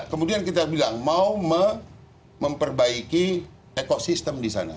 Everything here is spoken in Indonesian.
kemudian kita bilang mau memperbaiki ekosistem di sana